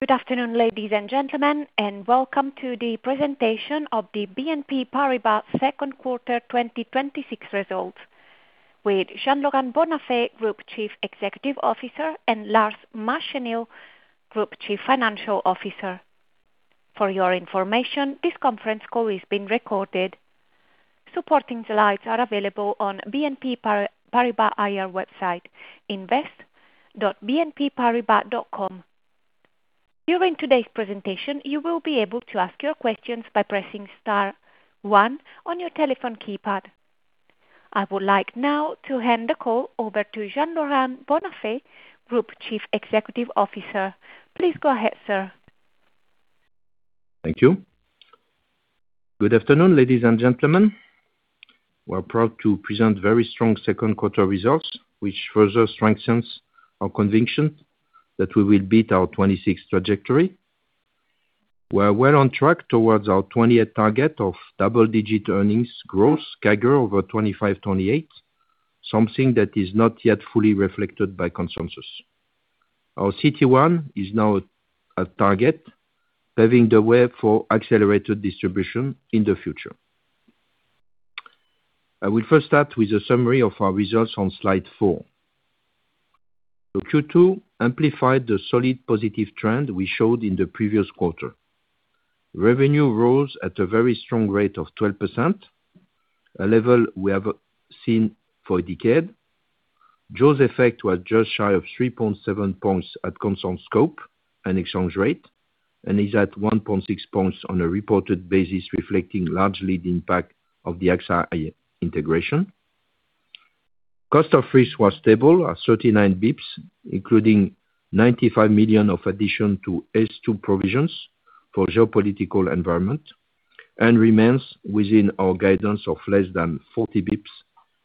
Good afternoon, ladies and gentlemen, and welcome to the presentation of the BNP Paribas second quarter 2026 results with Jean-Laurent Bonnafé, Group Chief Executive Officer, and Lars Machenil, Group Chief Financial Officer. For your information, this conference call is being recorded. Supporting slides are available on BNP Paribas IR website, invest.bnpparibas.com. During today's presentation, you will be able to ask your questions by pressing star one on your telephone keypad. I would like now to hand the call over to Jean-Laurent Bonnafé, Group Chief Executive Officer. Please go ahead, sir. Thank you. Good afternoon, ladies and gentlemen. We are proud to present very strong second quarter results, which further strengthens our conviction that we will beat our 2026 trajectory. We are well on track towards our 20th target of double-digit earnings growth CAGR over 2025, 2028, something that is not yet fully reflected by consensus. Our CET1 is now at target, paving the way for accelerated distribution in the future. I will first start with a summary of our results on slide four. Q2 amplified the solid positive trend we showed in the previous quarter. Revenue rose at a very strong rate of 12%, a level we have seen for a decade. Jaws effect was just shy of 3.7 points at constant scope and exchange rate, and is at 1.6 points on a reported basis, reflecting largely the impact of the AXA integration. Cost of risk was stable at 39 basis points, including 95 million of addition to H2 provisions for geopolitical environment, and remains within our guidance of less than 40 basis points,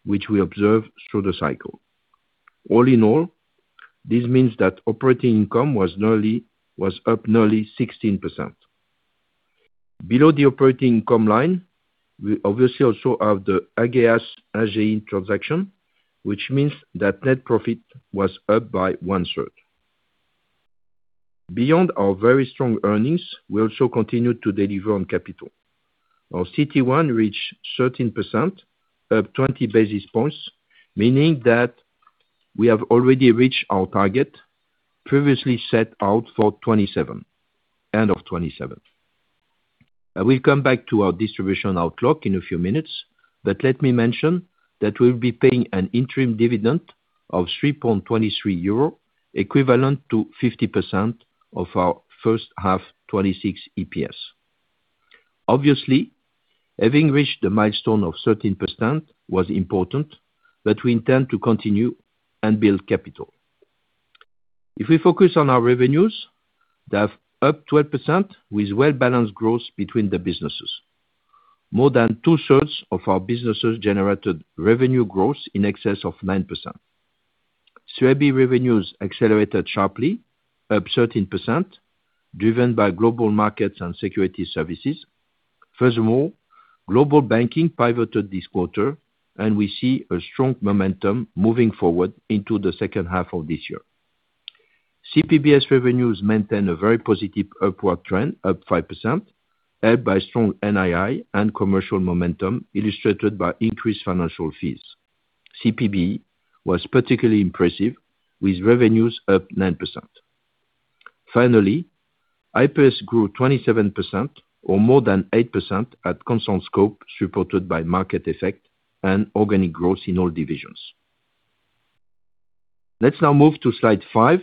which we observe through the cycle. All in all, this means that operating income was up nearly 16%. Below the operating income line, we obviously also have the Ageas, AGI transaction, which means that net profit was up by one-third. Beyond our very strong earnings, we also continued to deliver on capital. Our CET1 reached 13%, up 20 basis points, meaning that we have already reached our target previously set out for end of 2027. I will come back to our distribution outlook in a few minutes, but let me mention that we will be paying an interim dividend of 3.23 euro, equivalent to 50% of our H1 2026 EPS. Obviously, having reached the milestone of 13% was important, but we intend to continue and build capital. If we focus on our revenues, they have upped 12% with well-balanced growth between the businesses. More than two-thirds of our businesses generated revenue growth in excess of 9%. CIB revenues accelerated sharply, up 13%, driven by Global Markets and Securities Services. Furthermore, Global Banking pivoted this quarter, and we see a strong momentum moving forward into the H2 of this year. CPBS revenues maintain a very positive upward trend, up 5%, helped by strong NII and commercial momentum illustrated by increased financial fees. CPB was particularly impressive, with revenues up 9%. Finally, IPS grew 27% or more than 8% at constant scope, supported by market effect and organic growth in all divisions. Let's now move to slide five,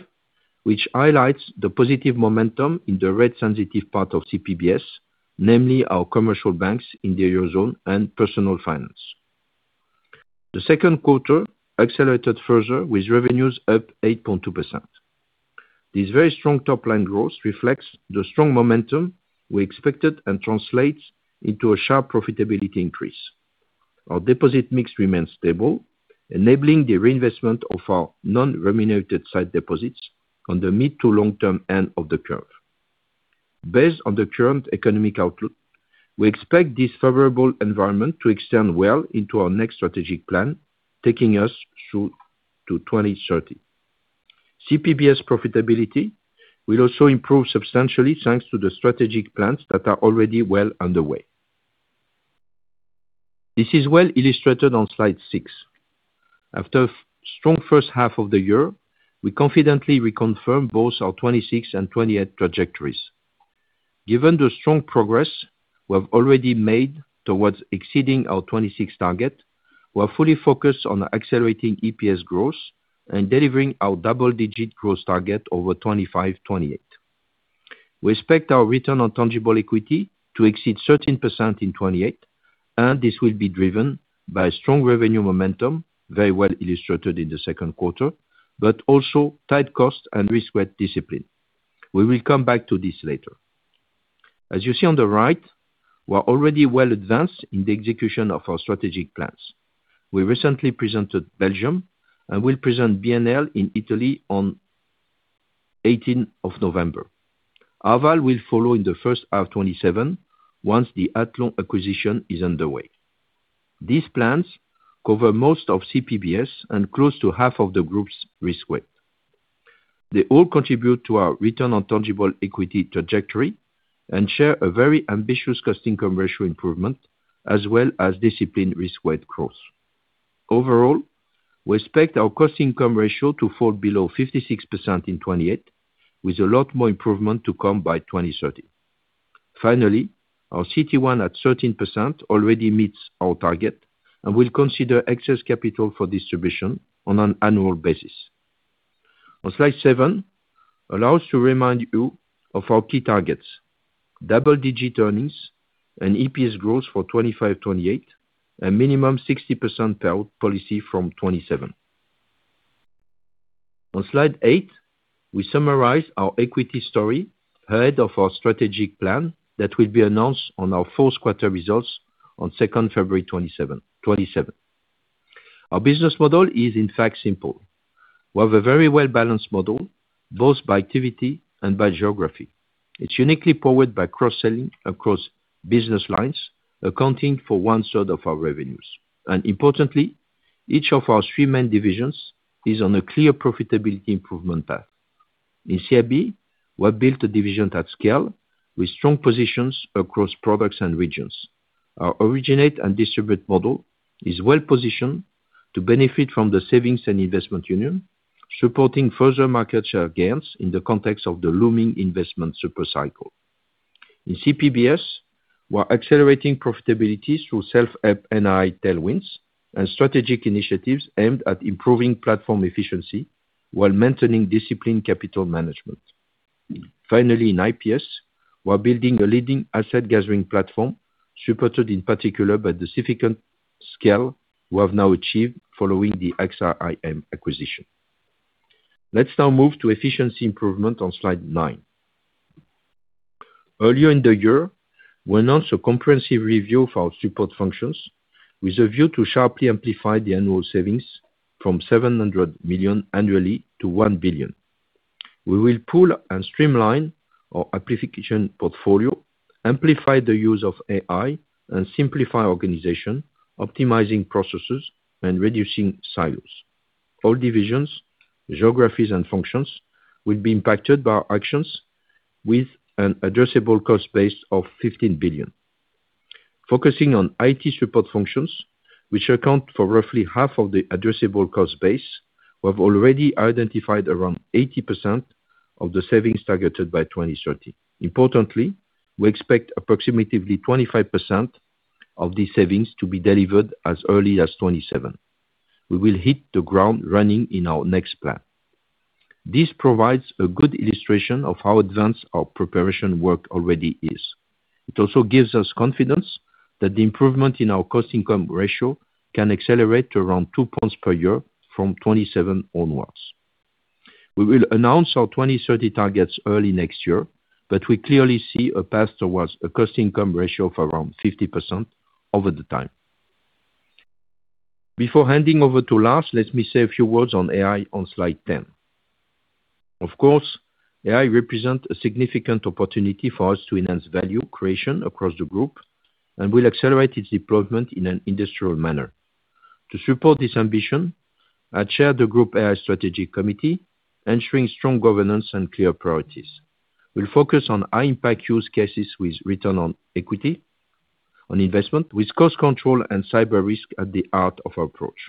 which highlights the positive momentum in the rate sensitive part of CPBS, namely our commercial banks in the Eurozone and Personal Finance. The second quarter accelerated further with revenues up 8.2%. This very strong top-line growth reflects the strong momentum we expected and translates into a sharp profitability increase. Our deposit mix remains stable, enabling the reinvestment of our non-remunerated site deposits on the mid to long-term end of the curve. Based on the current economic outlook, we expect this favorable environment to extend well into our next strategic plan, taking us through to 2030. CPBS profitability will also improve substantially thanks to the strategic plans that are already well underway. This is well illustrated on slide six. After a strong H1 of the year, we confidently reconfirm both our 2026 and 2028 trajectories. Given the strong progress we have already made towards exceeding our 2026 target, we are fully focused on accelerating EPS growth and delivering our double-digit growth target over 2025, 2028. We expect our return on tangible equity to exceed 13% in 2028, and this will be driven by strong revenue momentum, very well illustrated in the second quarter, but also tight cost and risk-weight discipline. We will come back to this later. As you see on the right, we're already well advanced in the execution of our strategic plans. We recently presented Belgium, and we'll present BNL in Italy on 18th of November. Arval will follow in the H1 2027 once the Athlon acquisition is underway. These plans cover most of CPBS and close to half of the group's risk weight. They all contribute to our return on tangible equity trajectory and share a very ambitious cost-income ratio improvement, as well as disciplined risk-weighted growth. Overall, we expect our cost-income ratio to fall below 56% in 2028, with a lot more improvement to come by 2030. Finally, our CET1 at 13% already meets our target, and we'll consider excess capital for distribution on an annual basis. On slide seven, allow us to remind you of our key targets, double-digit earnings and EPS growth for 2025, 2028, and minimum 60% payout policy from 2027. On slide eight, we summarize our equity story ahead of our strategic plan that will be announced on our fourth quarter results on 2nd February 2027. Our business model is in fact simple. We have a very well-balanced model, both by activity and by geography. It's uniquely powered by cross-selling across business lines, accounting for one-third of our revenues. Importantly, each of our three main divisions is on a clear profitability improvement path. In CIB, we have built a division at scale with strong positions across products and regions. Our originate and distribute model is well-positioned to benefit from the Savings and Investments Union, supporting further market share gains in the context of the looming investment super cycle. In CPBS, we're accelerating profitability through self-help NII tailwinds and strategic initiatives aimed at improving platform efficiency while maintaining disciplined capital management. Finally, in IPS, we're building a leading asset gathering platform supported in particular by the significant scale we have now achieved following the AXA IM acquisition. Let's now move to efficiency improvement on slide nine. Earlier in the year, we announced a comprehensive review of our support functions with a view to sharply amplify the annual savings from 700 million annually to 1 billion. We will pool and streamline our amplification portfolio, amplify the use of AI, and simplify organization, optimizing processes and reducing silos. All divisions, geographies, and functions will be impacted by our actions with an addressable cost base of 15 billion. Focusing on IT support functions, which account for roughly half of the addressable cost base, we have already identified around 80% of the savings targeted by 2030. Importantly, we expect approximately 25% of these savings to be delivered as early as 2027. We will hit the ground running in our next plan. This provides a good illustration of how advanced our preparation work already is. It also gives us confidence that the improvement in our cost-income ratio can accelerate to around two points per year from 2027 onwards. We will announce our 2030 targets early next year, but we clearly see a path towards a cost-income ratio of around 50% over the time. Before handing over to Lars, let me say a few words on AI on slide 10. Of course, AI represents a significant opportunity for us to enhance value creation across the group and will accelerate its deployment in an industrial manner. To support this ambition, I chair the Group AI Strategy Committee, ensuring strong governance and clear priorities. We'll focus on high-impact use cases with return on equity, on investment, with cost control and cyber risk at the heart of our approach.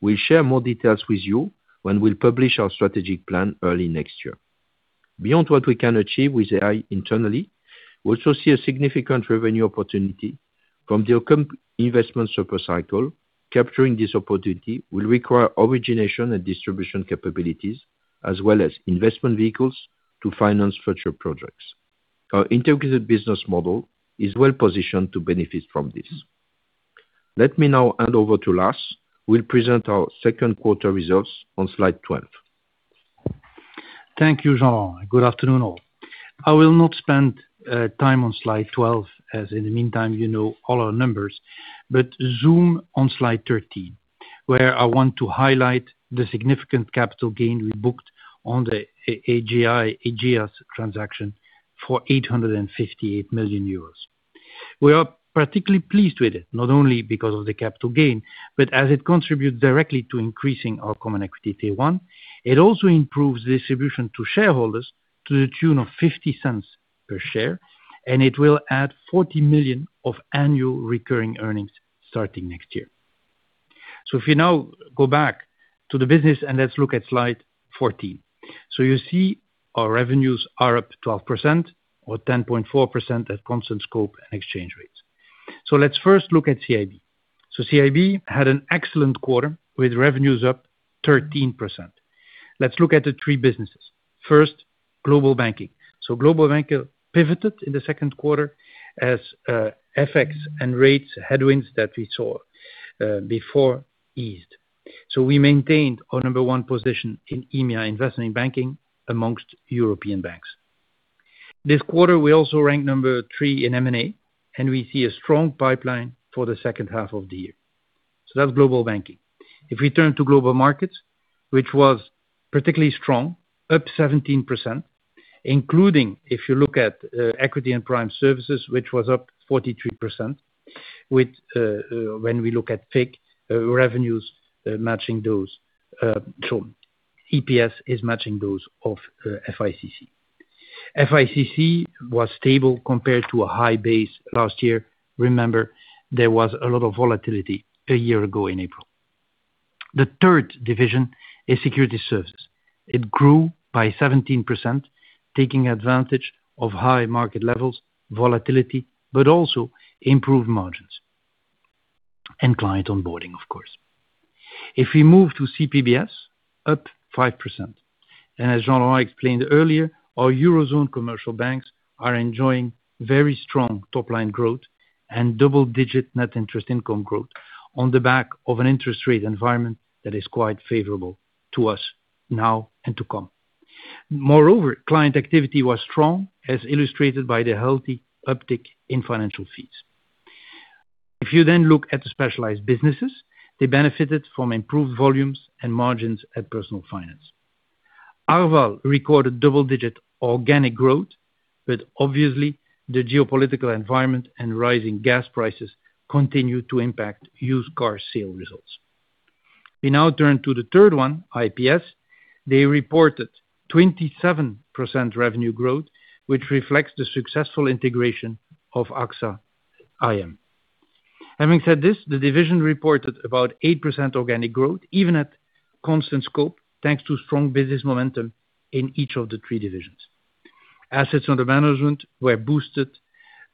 We'll share more details with you when we'll publish our strategic plan early next year. Beyond what we can achieve with AI internally, we also see a significant revenue opportunity from the upcoming investment super cycle. Capturing this opportunity will require origination and distribution capabilities, as well as investment vehicles to finance future projects. Our integrated business model is well positioned to benefit from this. Let me now hand over to Lars, who will present our second quarter results on slide 12. Thank you, Jean. Good afternoon, all. I will not spend time on slide 12, as in the meantime, you know all our numbers, but zoom on slide 13, where I want to highlight the significant capital gain we booked on the AGI, Ageas transaction for 858 million euros. We are particularly pleased with it, not only because of the capital gain, but as it contributes directly to increasing our CET1. It also improves distribution to shareholders to the tune of 0.50 per share, and it will add 40 million of annual recurring earnings starting next year. If you now go back to the business, and let's look at slide 14. You see our revenues are up 12% or 10.4% at constant scope and exchange rates. Let's first look at CIB. CIB had an excellent quarter with revenues up 13%. Let's look at the three businesses. First, Global Banking. Global Banking pivoted in the second quarter as FX and rates headwinds that we saw before eased. We maintained our number one position in EMEA investment banking amongst European banks. This quarter, we also ranked number three in M&A, and we see a strong pipeline for the H2 of the year. That's Global Banking. If we turn to Global Markets, which was particularly strong, up 17%, including if you look at equity and prime services, which was up 43%, when we look at FIC, revenues matching those. EPS is matching those of FICC. FICC was stable compared to a high base last year. Remember, there was a lot of volatility a year ago in April. The third division is Securities Services. It grew by 17%, taking advantage of high market levels, volatility, but also improved margins and client onboarding, of course. If we move to CPBS, up 5%. As Jean-Laurent explained earlier, our Eurozone commercial banks are enjoying very strong top-line growth and double-digit net interest income growth on the back of an interest rate environment that is quite favorable to us now and to come. Moreover, client activity was strong, as illustrated by the healthy uptick in financial fees. If you then look at the specialized businesses, they benefited from improved volumes and margins at Personal Finance. Arval recorded double-digit organic growth, but obviously the geopolitical environment and rising gas prices continued to impact used car sale results. We now turn to the third one, IPS. They reported 27% revenue growth, which reflects the successful integration of AXA IM. Having said this, the division reported about 8% organic growth, even at constant scope, thanks to strong business momentum in each of the three divisions. Assets under management were boosted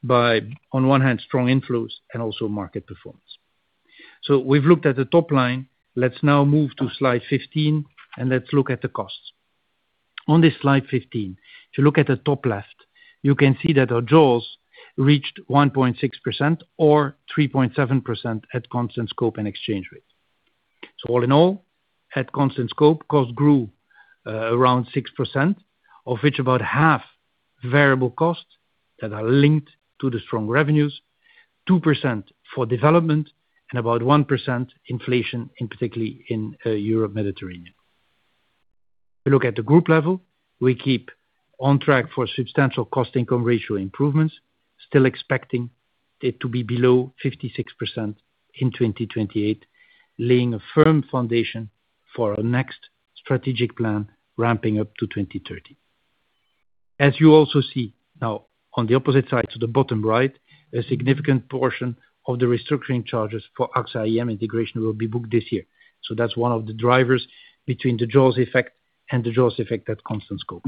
by, on one hand, strong inflows and also market performance. We've looked at the top line. Let's now move to slide 15, and let's look at the costs. On this slide 15, if you look at the top left, you can see that our Jaws reached 1.6% or 3.7% at constant scope and exchange rate. All in all, at constant scope, costs grew around 6%, of which about half variable costs that are linked to the strong revenues, 2% for development, and about 1% inflation in particularly in Europe, Mediterranean. We look at the group level, we keep on track for substantial cost income ratio improvements, still expecting it to be below 56% in 2028, laying a firm foundation for our next strategic plan ramping up to 2030. As you also see now on the opposite side to the bottom right, a significant portion of the restructuring charges for AXA IM integration will be booked this year. That's one of the drivers between the Jaws effect and the Jaws effect at constant scope.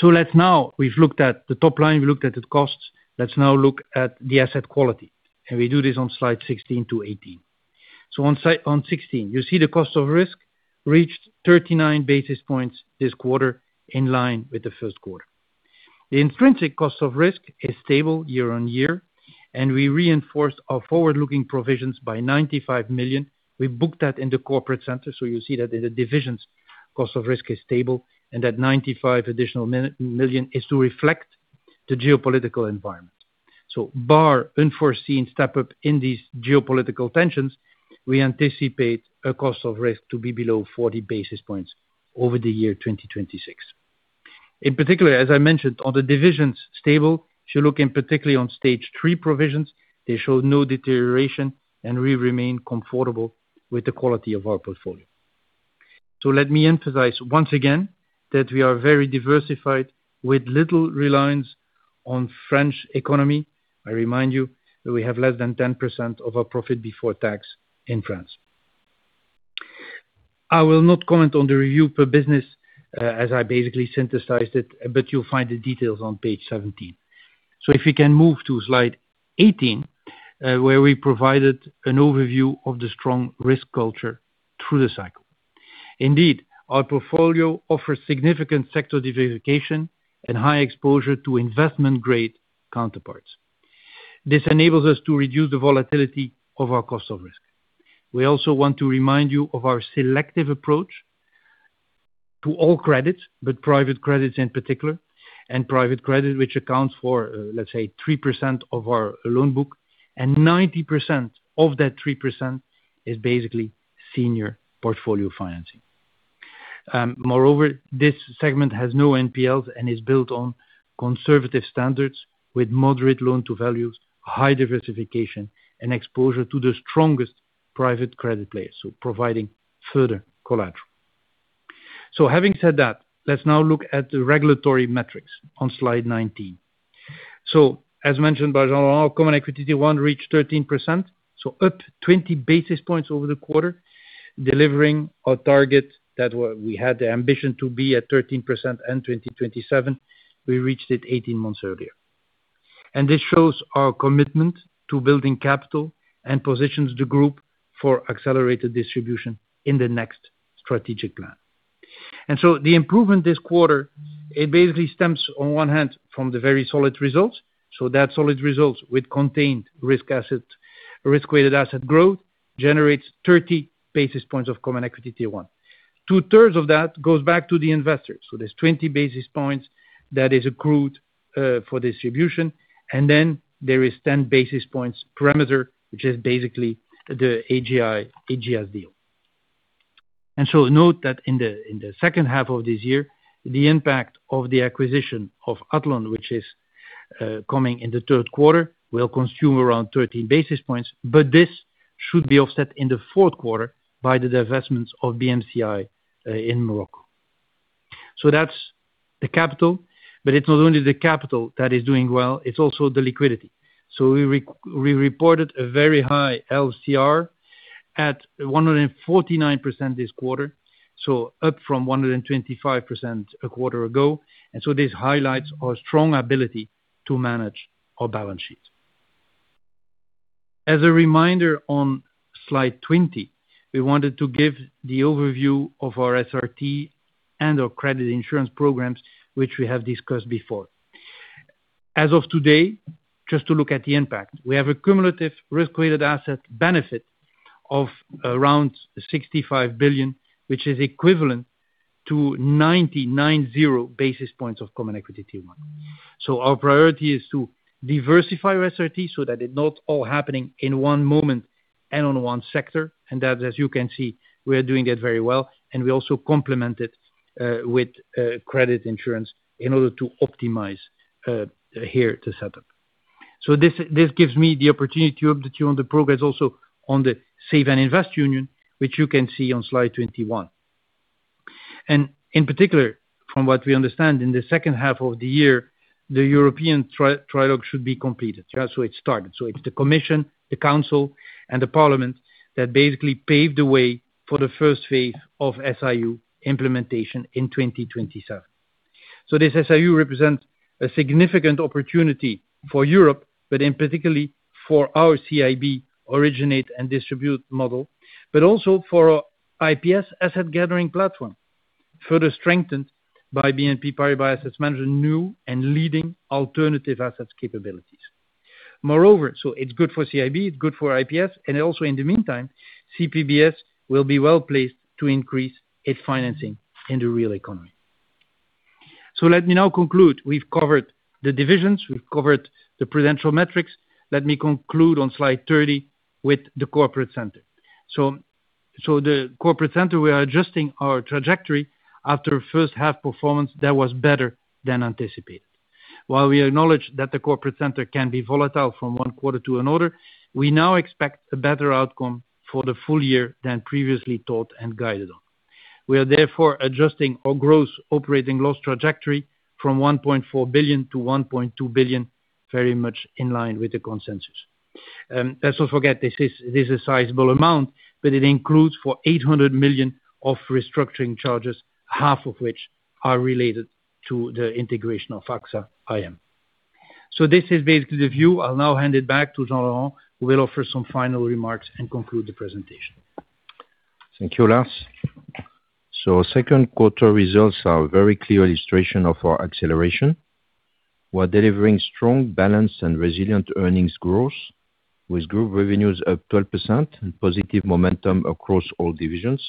Let's now, we've looked at the top line, we've looked at the costs. Let's now look at the asset quality. We do this on slide 16-18. On 16, you see the cost of risk reached 39 basis points this quarter, in line with the first quarter. The intrinsic cost of risk is stable year-over-year, and we reinforced our forward-looking provisions by 95 million. We booked that in the corporate center, so you'll see that in the divisions, cost of risk is stable, and that 95 additional million is to reflect the geopolitical environment. So bar unforeseen step-up in these geopolitical tensions, we anticipate a cost of risk to be below 40 basis points over the year 2026. In particular, as I mentioned, on the divisions stable, if you look in particularly on stage 3 provisions, they show no deterioration, and we remain comfortable with the quality of our portfolio. So let me emphasize once again that we are very diversified with little reliance on French economy. I remind you that we have less than 10% of our profit before tax in France. I will not comment on the review per business, as I basically synthesized it, but you'll find the details on page 17. If you can move to slide 18, where we provided an overview of the strong risk culture through the cycle. Indeed, our portfolio offers significant sector diversification and high exposure to investment-grade counterparts. This enables us to reduce the volatility of our cost of risk. We also want to remind you of our selective approach to all credits, but private credits in particular, and private credit which accounts for, let's say, 3% of our loan book, and 90% of that 3% is basically senior portfolio financing. Moreover, this segment has no NPLs and is built on conservative standards with moderate loan to values, high diversification, and exposure to the strongest private credit players, so providing further collateral. Having said that, let's now look at the regulatory metrics on slide 19. As mentioned by Jean-Laurent, our Common Equity Tier 1 reached 13%, so up 20 basis points over the quarter, delivering our target that we had the ambition to be at 13% end 2027. We reached it 18 months earlier. This shows our commitment to building capital and positions the group for accelerated distribution in the next strategic plan. The improvement this quarter, it basically stems on one hand from the very solid results. That solid results with contained risk-weighted asset growth generates 30 basis points of Common Equity Tier 1. Two-thirds of that goes back to the investors. There's 20 basis points that is accrued for distribution, and then there is 10 basis points parameter, which is basically the AGI's deal. Note that in the H2 of this year, the impact of the acquisition of Athlon, which is coming in the third quarter, will consume around 13 basis points, but this should be offset in the fourth quarter by the divestments of BMCI in Morocco. That's the capital, but it's not only the capital that is doing well, it's also the liquidity. We reported a very high LCR at 149% this quarter, so up from 125% a quarter ago. This highlights our strong ability to manage our balance sheet. As a reminder on slide 20, we wanted to give the overview of our SRT and our credit insurance programs, which we have discussed before. As of today, just to look at the impact, we have a cumulative risk-weighted asset benefit of around 65 billion, which is equivalent to 990 basis points of CET1. Our priority is to diversify our SRT so that it's not all happening in one moment and on one sector, and that, as you can see, we are doing it very well and we also complement it with credit insurance in order to optimize here the setup. This gives me the opportunity to update you on the progress also on the Savings and Investments Union, which you can see on slide 21. In particular, from what we understand in the H2 of the year, the European trial should be completed. It's started. It's the commission, the council, and the parliament that basically paved the way for the first phase of SIU implementation in 2027. This SIU represents a significant opportunity for Europe, but in particularly for our CIB originate and distribute model, but also for our IPS asset-gathering platform, further strengthened by BNP Paribas Asset Management's new and leading alternative assets capabilities. Moreover, it's good for CIB, it's good for IPS, and also in the meantime, CPBS will be well-placed to increase its financing in the real economy. Let me now conclude. We've covered the divisions, we've covered the prudential metrics. Let me conclude on slide 30 with the corporate center. The corporate center, we are adjusting our trajectory after a first-half performance that was better than anticipated. While we acknowledge that the corporate center can be volatile from one quarter to another, we now expect a better outcome for the full year than previously thought and guided on. We are therefore adjusting our gross operating loss trajectory from 1.4 billion-1.2 billion, very much in line with the consensus. Let's not forget, this is a sizable amount, but it includes for 800 million of restructuring charges, half of which are related to the integration of AXA IM. This is basically the view. I'll now hand it back to Jean-Laurent, who will offer some final remarks and conclude the presentation. Thank you, Lars. Second quarter results are a very clear illustration of our acceleration. We're delivering strong balance and resilient earnings growth with Group revenues up 12% and positive momentum across all divisions.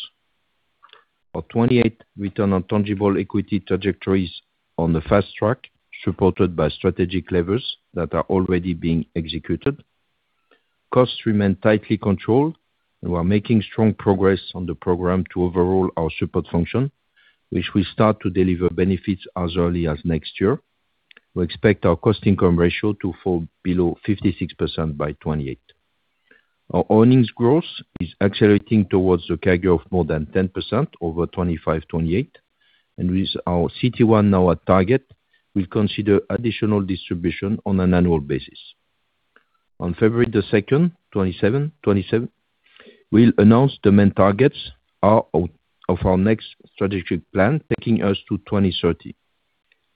Our 2028 return on tangible equity trajectory is on the fast track, supported by strategic levers that are already being executed. Costs remain tightly controlled, and we're making strong progress on the program to overhaul our support function, which will start to deliver benefits as early as next year. We expect our cost-income ratio to fall below 56% by 2028. Our earnings growth is accelerating towards a CAGR of more than 10% over 2025, 2028. With our CET1 now at target, we'll consider additional distribution on an annual basis. On February 2, 2027, we'll announce the main targets of our next strategic plan, taking us to 2030.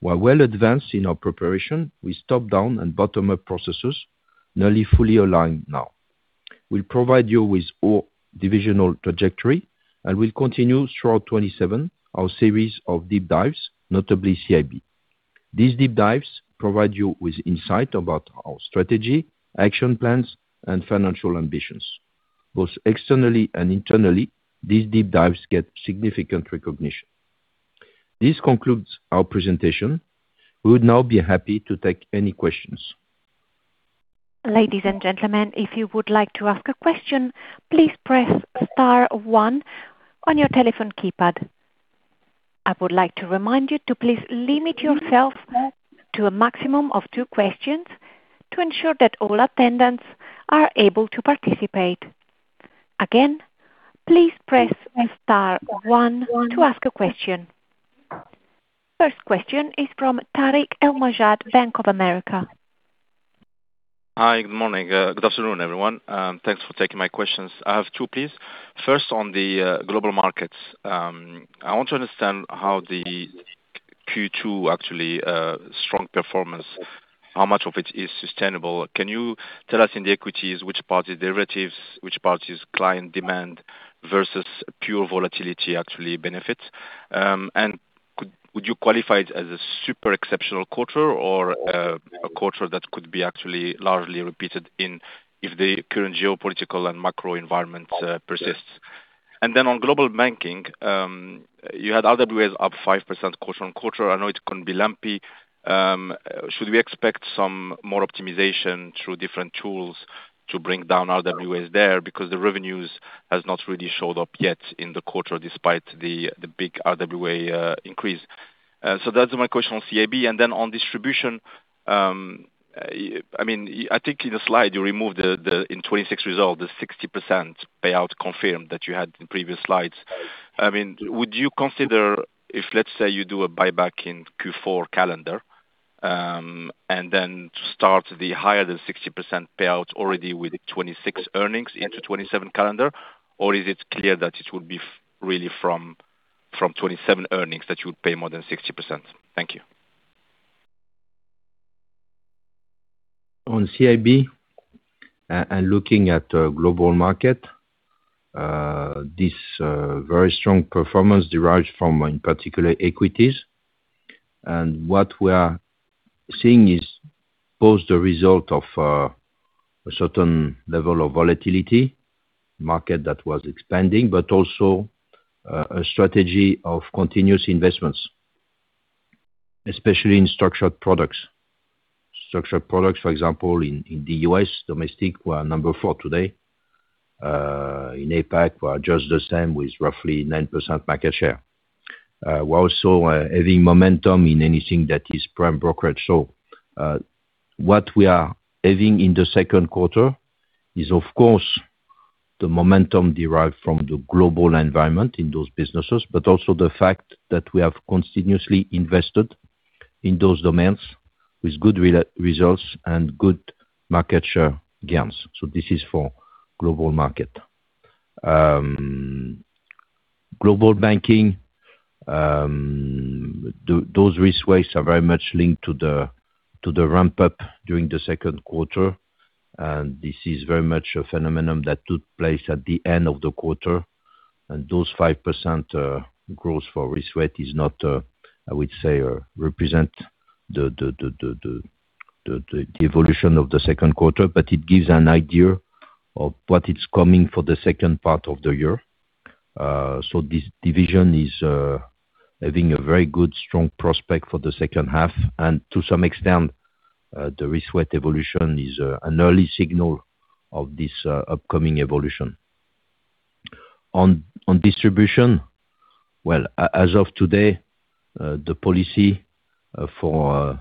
We are well advanced in our preparation with top-down and bottom-up processes nearly fully aligned now. We'll provide you with our divisional trajectory, and we'll continue throughout 2027 our series of deep dives, notably CIB. These deep dives provide you with insight about our strategy, action plans, and financial ambitions. Both externally and internally, these deep dives get significant recognition. This concludes our presentation. We would now be happy to take any questions. Ladies and gentlemen, if you would like to ask a question, please press star one on your telephone keypad. I would like to remind you to please limit yourself to a maximum of two questions to ensure that all attendants are able to participate. Again, please press star one to ask a question. First question is from Tarik El Mejjad, Bank of America. Hi. Good morning. Good afternoon, everyone. Thanks for taking my questions. I have two, please. First, on the Global Markets, I want to understand how the Q2 actually strong performance, how much of it is sustainable. Can you tell us in the equities which part is derivatives, which part is client demand versus pure volatility actually benefits? Would you qualify it as a super exceptional quarter or a quarter that could be actually largely repeated if the current geopolitical and macro environment persists? On Global Banking, you had other ways up 5% quarter-on-quarter. I know it can be lumpy. Should we expect some more optimization through different tools To bring down RWAs there because the revenues has not really showed up yet in the quarter despite the big RWA increase. That's my question on CIB. On distribution, I think in the slide you removed, in 2026 result, the 60% payout confirmed that you had in previous slides. Would you consider if, let's say, you do a buyback in Q4 calendar, to start the higher than 60% payout already with the 2026 earnings into 2027 calendar? Is it clear that it would be really from 2027 earnings that you would pay more than 60%? Thank you. On CIB, looking at the Global Markets, this very strong performance derives from, in particular, equities. What we are seeing is both the result of a certain level of volatility, market that was expanding, but also a strategy of continuous investments, especially in structured products. Structured products, for example, in the U.S. domestic, we're number four today. In APAC, we're just the same with roughly 9% market share. We're also having momentum in anything that is prime brokerage. What we are having in the second quarter is, of course, the momentum derived from the global environment in those businesses, but also the fact that we have continuously invested in those domains with good results and good market share gains. This is for Global Markets. Global Banking, those risk weights are very much linked to the ramp-up during the second quarter, this is very much a phenomenon that took place at the end of the quarter. Those 5% growth for risk weight is not, I would say, represent the evolution of the second quarter, but it gives an idea of what is coming for the second part of the year. This division is having a very good strong prospect for the second half. To some extent, the risk weight evolution is an early signal of this upcoming evolution. On distribution, well, as of today, the policy for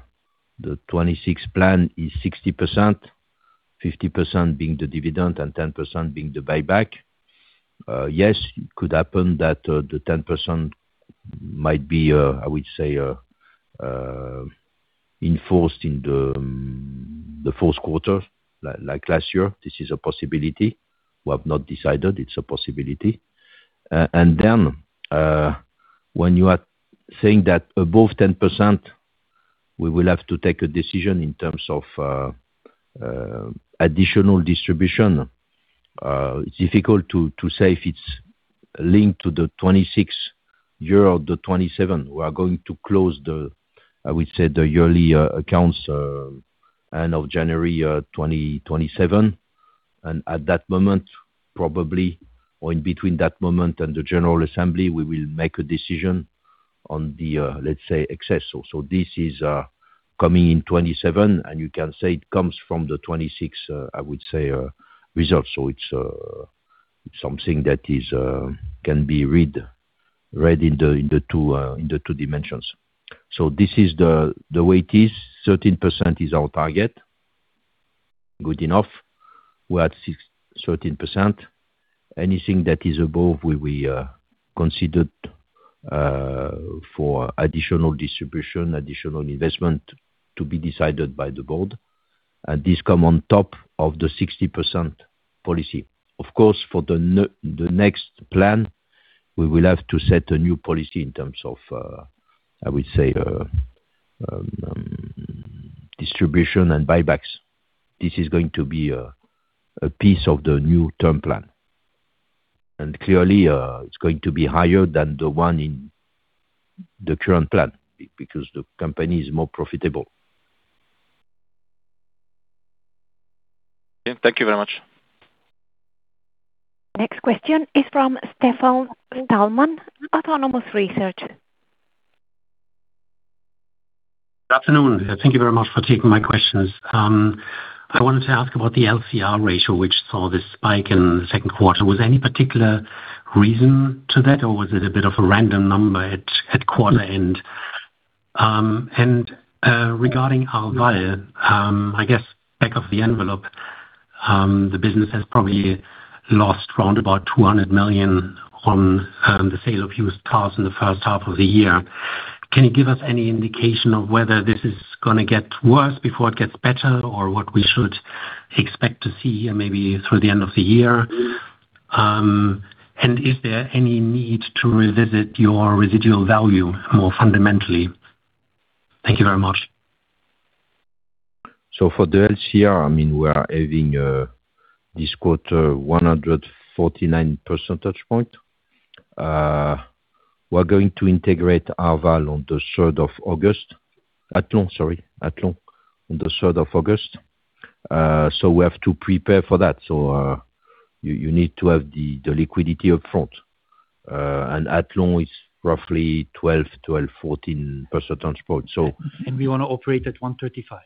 the 2026 plan is 60%, 50% being the dividend and 10% being the buyback. Yes, it could happen that the 10% might be, I would say, enforced in the fourth quarter, like last year. This is a possibility. We have not decided, it's a possibility. When you are saying that above 10%, we will have to take a decision in terms of additional distribution. It's difficult to say if it's linked to the 2026 year or the 2027. We are going to close the, I would say, the yearly accounts end of January 2027. At that moment, probably, or in between that moment and the general assembly, we will make a decision on the, let's say, excess. This is coming in 2027, you can say it comes from the 2026, I would say, results. It's something that can be read in the two dimensions. This is the way it is. 13% is our target. Good enough. We're at 13%. Anything that is above will be considered for additional distribution, additional investment to be decided by the board. This come on top of the 60% policy. Of course, for the next plan, we will have to set a new policy in terms of, I would say, distribution and buybacks. This is going to be a piece of the new term plan. Clearly, it's going to be higher than the one in the current plan because the company is more profitable. Thank you very much. Next question is from Stefan Stalmann at Autonomous Research. Good afternoon. Thank you very much for taking my questions. I wanted to ask about the LCR ratio, which saw this spike in the second quarter. Was there any particular reason to that, or was it a bit of a random number at quarter end? Regarding Arval, I guess back of the envelope, the business has probably lost around about 200 million on the sale of used cars in the H1 of the year. Can you give us any indication of whether this is going to get worse before it gets better, or what we should expect to see maybe through the end of the year? Is there any need to revisit your residual value more fundamentally? Thank you very much. For the LCR, we are having this quarter 149 percentage points. We're going to integrate Arval on the 3rd of August. Athlon, on the 3rd of August. We have to prepare for that. You need to have the liquidity upfront. Athlon is roughly 12%-14% on spot. We want to operate at 135.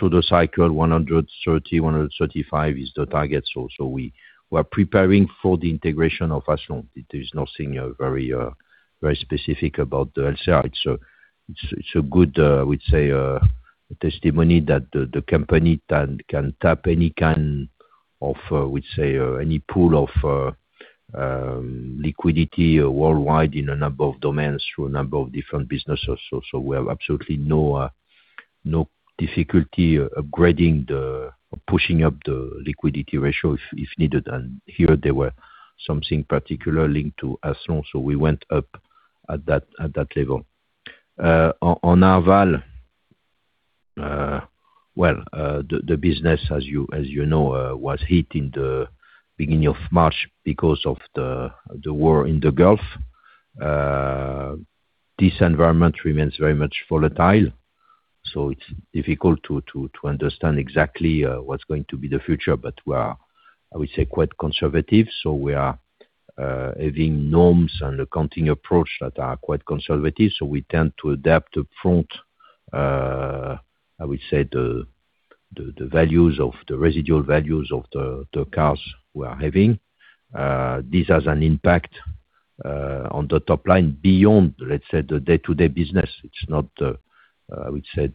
The cycle 130, 135 is the target. We are preparing for the integration of Athlon. There is nothing very specific about the LCR. It's a good, I would say, testimony that the company can tap any kind of, let's say, any pool of liquidity worldwide in a number of domains through a number of different businesses. We have absolutely no difficulty upgrading the, or pushing up the liquidity ratio if needed. Here there were something particular linked to Athlon, so we went up at that level. On Arval, well, the business, as you know, was hit in the beginning of March because of the war in the Gulf. This environment remains very much volatile, so it's difficult to understand exactly what's going to be the future. But we are, I would say, quite conservative. We are having norms and accounting approach that are quite conservative. We tend to adapt upfront, I would say, the residual values of the cars we are having. This has an impact on the top line beyond, let's say, the day-to-day business. It's not, I would say,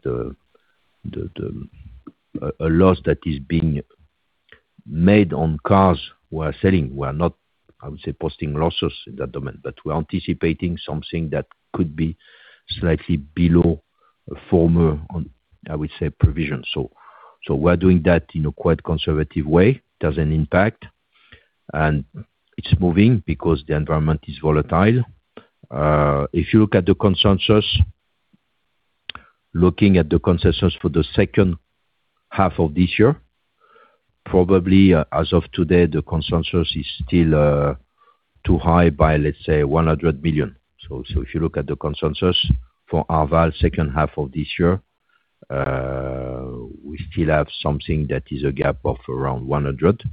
a loss that is being made on cars we are selling. We're not, I would say, posting losses in that domain, but we're anticipating something that could be slightly below former, I would say, provision. We're doing that in a quite conservative way. It has an impact, and it's moving because the environment is volatile. If you look at the consensus, looking at the consensus for the H2 of this year, probably as of today, the consensus is still too high by, let's say, 100 million. If you look at the consensus for our H2 of this year, we still have something that is a gap of around 100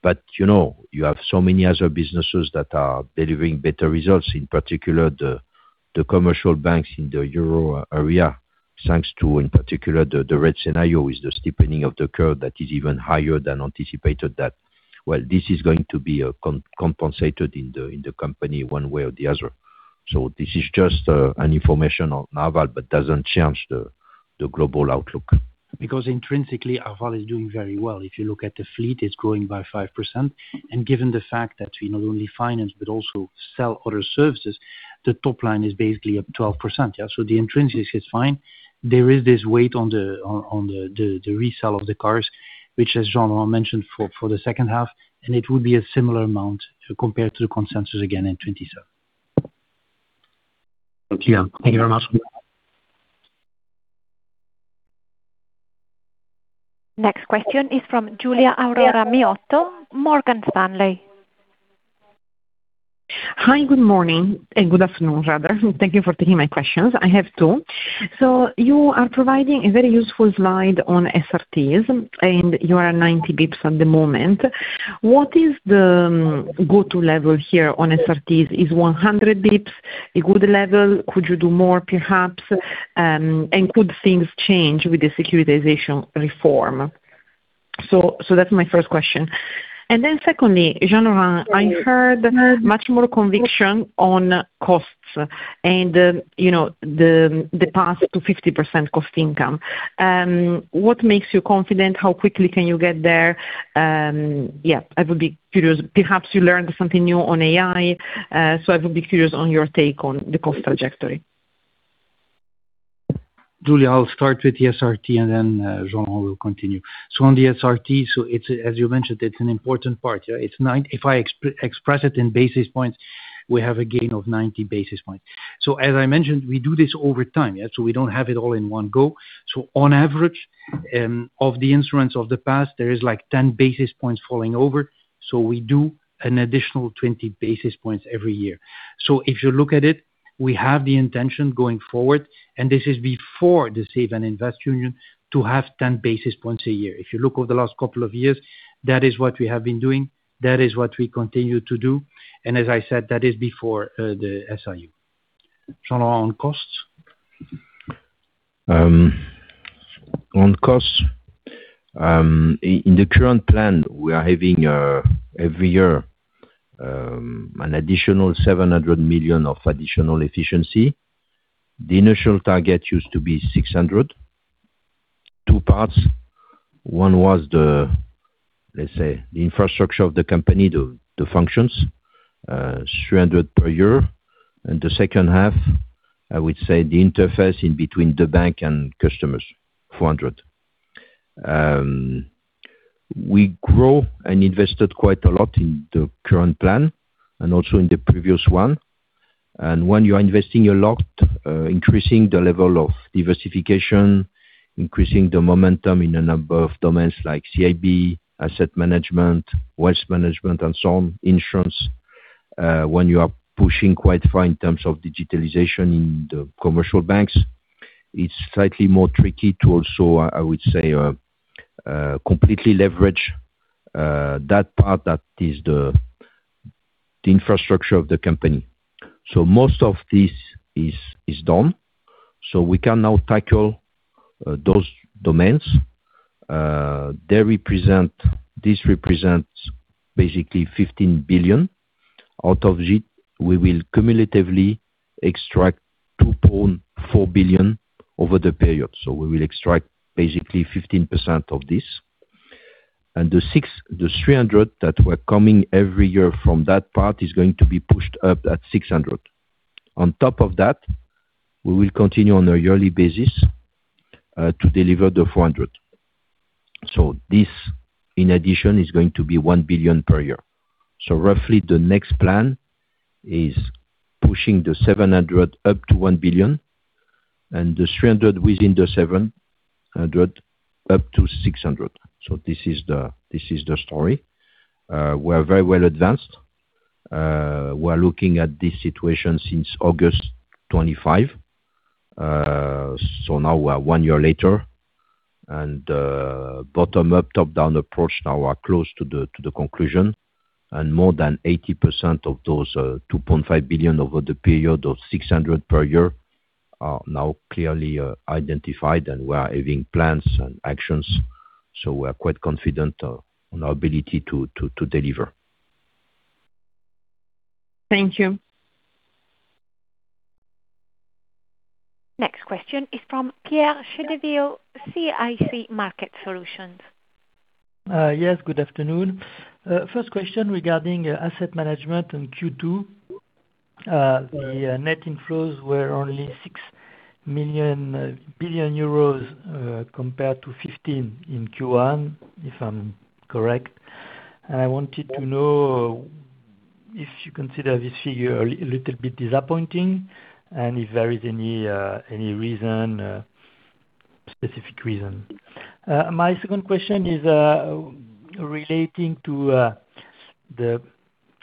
million. You have so many other businesses that are delivering better results, in particular the commercial banks in the Euro area, thanks to in particular, the red scenario is the steepening of the curve that is even higher than anticipated that, well, this is going to be compensated in the company one way or the other. This is just an information on Arval, but doesn't change the global outlook. Intrinsically, Arval is doing very well. If you look at the fleet, it's growing by 5%. Given the fact that we not only finance but also sell other services, the top line is basically up 12%. The intrinsic is fine. There is this weight on the resale of the cars, which as Jean mentioned for the second half, and it would be a similar amount compared to the consensus again in 2027. Thank you. Thank you very much. Next question is from Giulia Aurora Miotto, Morgan Stanley. Hi, good morning, and good afternoon rather. Thank you for taking my questions. I have two. You are providing a very useful slide on SRTs, and you are at 90 basis points at the moment. What is the go-to level here on SRTs? Is 100 basis points a good level? Could you do more perhaps? Could things change with the securitization reform? That's my first question. Secondly, Jean-Laurent, I heard much more conviction on costs and the path to 50% cost income. What makes you confident? How quickly can you get there? I would be curious. Perhaps you learned something new on AI, I would be curious on your take on the cost trajectory. Giulia, I'll start with the SRT, and then Jean will continue. On the SRT, as you mentioned, it's an important part. If I express it in basis points, we have a gain of 90 basis points. As I mentioned, we do this over time. We don't have it all in one go. On average, of the instruments of the past, there is 10 basis points falling over. We do an additional 20 basis points every year. If you look at it, we have the intention going forward, and this is before the Savings and Investments Union, to have 10 basis points a year. If you look over the last couple of years, that is what we have been doing. That is what we continue to do. As I said, that is before the SIU. Jean, on costs. On costs. In the current plan, we are having every year, an additional 700 million of additional efficiency. The initial target used to be 600 million. Two parts. One was the, let's say, the infrastructure of the company, the functions, 300 million per year. The second half, I would say, the interface in between the bank and customers, 400 million. We grow and invested quite a lot in the current plan and also in the previous one. When you're investing a lot, increasing the level of diversification, increasing the momentum in a number of domains like CIB, asset management, Wealth Management, and so on, insurance. When you are pushing quite far in terms of digitalization in the commercial banks, it's slightly more tricky to also completely leverage that part that is the infrastructure of the company. Most of this is done, we can now tackle those domains. This represents basically 15 billion. Out of it, we will cumulatively extract 2.4 billion over the period. We will extract basically 15% of this. The 300 million that were coming every year from that part is going to be pushed up at 600 million. On top of that, we will continue on a yearly basis to deliver the 400 million. This, in addition, is going to be 1 billion per year. Roughly the next plan is pushing the 700 million up to 1 billion, and the 300 million within the 700 million up to 600 million. This is the story. We're very well advanced. We're looking at this situation since August 2025. Now we are one year later, and bottom-up, top-down approach now are close to the conclusion. More than 80% of those, 2.5 billion over the period of 600 per year, are now clearly identified, and we are having plans and actions. We are quite confident on our ability to deliver. Thank you. Next question is from Pierre Chédeville, CIC Market Solutions. Yes, good afternoon. First question regarding asset management in Q2. The net inflows were only 6 billion euros compared to 15 billion in Q1, if I'm correct. I wanted to know if you consider this figure a little bit disappointing, and if there is any specific reason. My second question is relating to the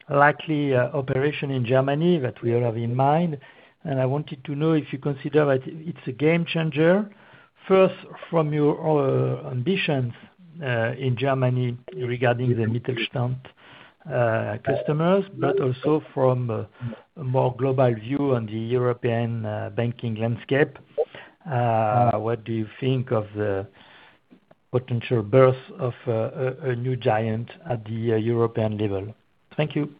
likely operation in Germany that we have in mind, and I wanted to know if you consider that it's a game changer, first, from your ambitions in Germany regarding the Mittelstand customers, but also from a more global view on the European banking landscape. What do you think of the potential birth of a new giant at the European level? Thank you.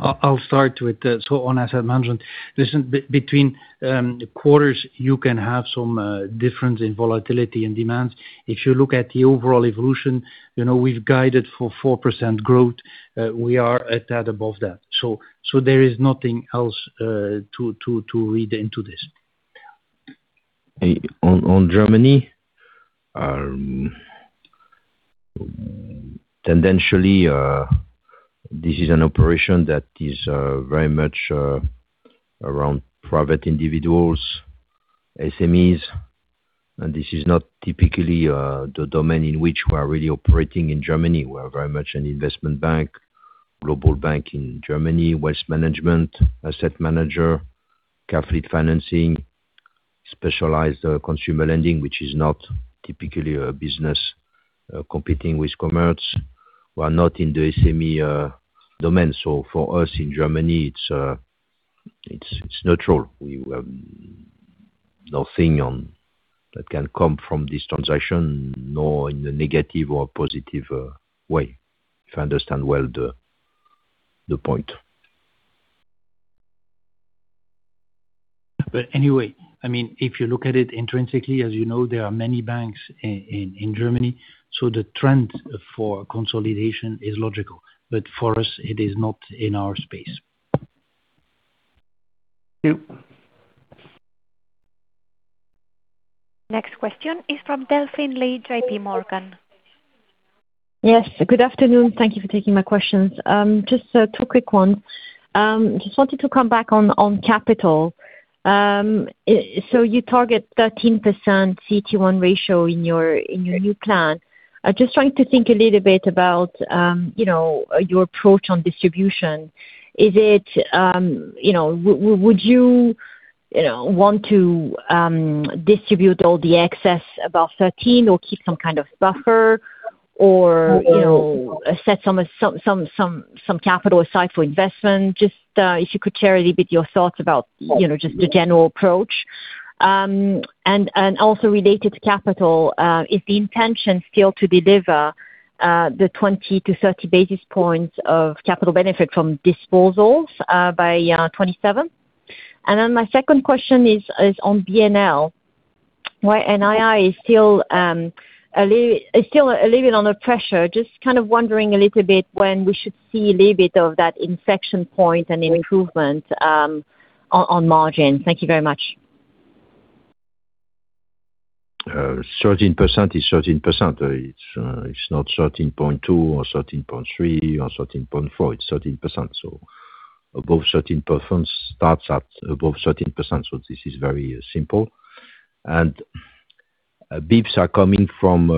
I'll start with, so on asset management, listen, between quarters, you can have some difference in volatility and demand. If you look at the overall evolution, we've guided for 4% growth. We are a tad above that. There is nothing else to read into this. On Germany, tendentially, this is an operation that is very much around private individuals, SMEs, and this is not typically the domain in which we are really operating in Germany. We are very much an investment bank, global bank in Germany, Wealth Management, asset manager, car fleet financing, specialized consumer lending, which is not typically a business competing with Commerzbank. We are not in the SME domain. For us in Germany it is neutral. We have nothing that can come from this transaction, nor in a negative or positive way, if I understand well the point. Anyway, if you look at it intrinsically, as you know, there are many banks in Germany, the trend for consolidation is logical. For us, it is not in our space. Thank you. Next question is from Delphine Lee, JPMorgan. Yes, good afternoon. Thank you for taking my questions. Just two quick ones. Just wanted to come back on capital. You target 13% CET1 ratio in your new plan. Just trying to think a little bit about your approach on distribution. Would you want to distribute all the excess above 13% or keep some kind of buffer? Or set some capital aside for investment? Just if you could share a little bit your thoughts about just the general approach. Also related to capital, is the intention still to deliver the 20 to 30 basis points of capital benefit from disposals by 2027? My second question is on BNL, where NII is still a little bit under pressure. Kind of wondering a little bit when we should see a little bit of that infection point and improvement on margin. Thank you very much. 13% is 13%. It is not 13.2% or 13.3% or 13.4%, it is 13%. Above 13% starts at above 13%, this is very simple. Benefits are coming from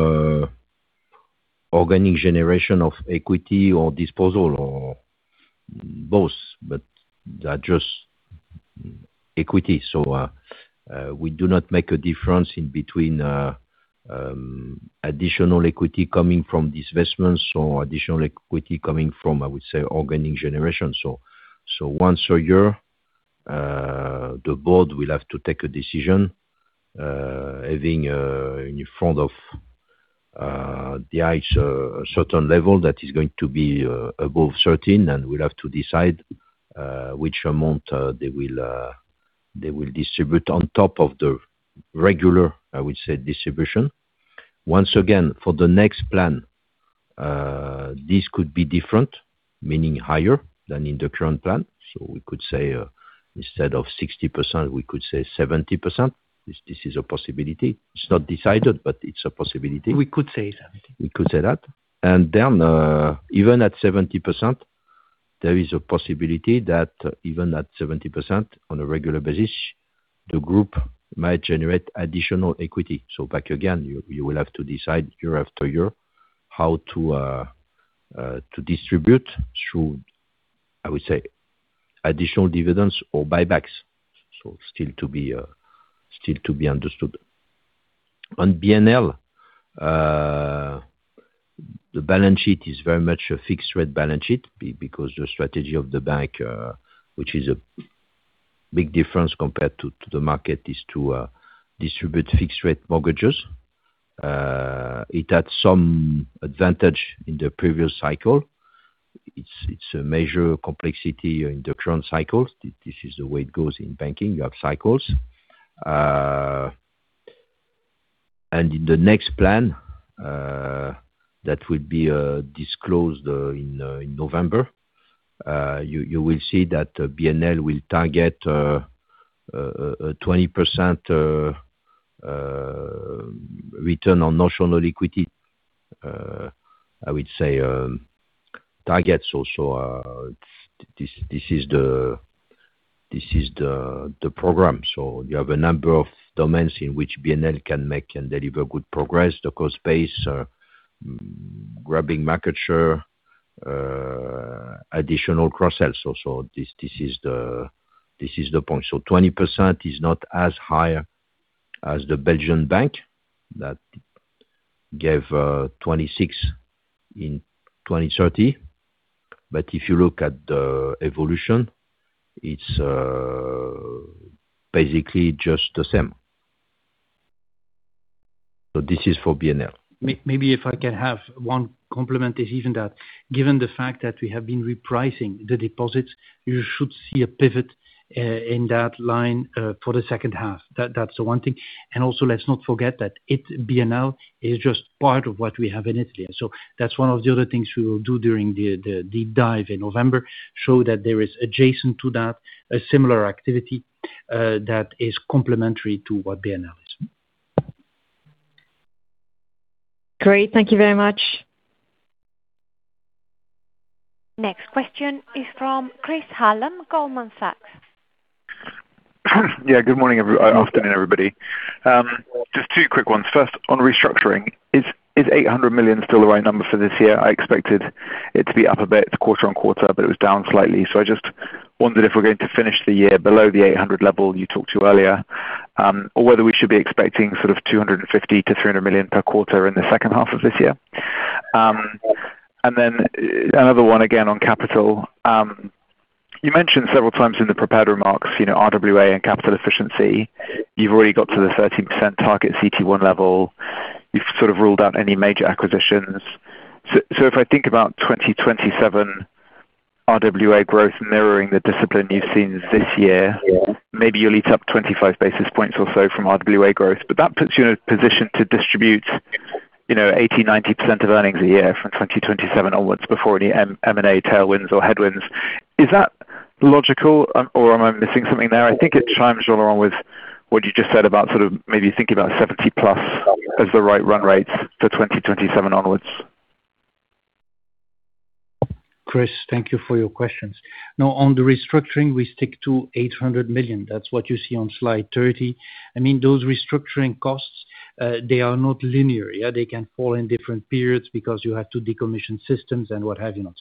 organic generation of equity or disposal, or both, but they are just equity. We do not make a difference in between additional equity coming from divestments or additional equity coming from, I would say, organic generation. Once a year, the board will have to take a decision, having in front of the eyes a certain level that is going to be above 13%, and we will have to decide which amount they will distribute on top of the regular, I would say, distribution. Once again, for the next plan, this could be different, meaning higher than in the current plan. We could say instead of 60%, we could say 70%. This is a possibility. It's not decided, but it's a possibility. We could say 70. We could say that. Even at 70%, there is a possibility that even at 70%, on a regular basis, the group might generate additional equity. Back again, you will have to decide year after year how to distribute through, I would say, additional dividends or buybacks. Still to be understood. On BNL, the balance sheet is very much a fixed rate balance sheet because the strategy of the bank, which is a big difference compared to the market, is to distribute fixed rate mortgages. It had some advantage in the previous cycle. It's a major complexity in the current cycle. This is the way it goes in banking. You have cycles. In the next plan, that will be disclosed in November, you will see that BNL will target a 20% return on national equity. I would say, targets also, this is the program. You have a number of domains in which BNL can make and deliver good progress, the cost base, grabbing market share, additional cross sales. This is the point. 20% is not as high as the Belgian bank that gave 26 in 2030, but if you look at the evolution, it's basically just the same. This is for BNL. Maybe if I can have one complement is even that, given the fact that we have been repricing the deposits, you should see a pivot in that line for the second half. That's the one thing. Also, let's not forget that BNL is just part of what we have in Italy. That's one of the other things we will do during the deep dive in November, show that there is adjacent to that, a similar activity that is complementary to what BNL is. Great. Thank you very much. Next question is from Chris Hallam, Goldman Sachs. Yeah, good morning. Morning. Good afternoon, everybody. Just two quick ones. First, on restructuring, is 800 million still the right number for this year? I expected it to be up a bit quarter-on-quarter, but it was down slightly. I just wondered if we're going to finish the year below the 800 level you talked to earlier, or whether we should be expecting sort of 250 million-300 million per quarter in the H2 of this year. Another one again on capital. You mentioned several times in the prepared remarks, RWA and capital efficiency. You've already got to the 13% target CET1 level. You've sort of ruled out any major acquisitions. If I think about 2027 RWA growth mirroring the discipline you've seen this year- Yeah. Maybe you'll eat up 25 basis points or so from RWA growth. That puts you in a position to distribute, 80%-90% of earnings a year from 2027 onwards before any M&A tailwinds or headwinds. Is that logical or am I missing something there? I think it chimes along with what you just said about sort of maybe thinking about 70+ as the right run rates for 2027 onwards. Chris, thank you for your questions. On the restructuring, we stick to 800 million. That's what you see on slide 30. Those restructuring costs, they are not linear. They can fall in different periods because you have to decommission systems and what have you not.